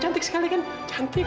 cantik sekali kan cantik